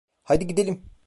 Haydi gidelim!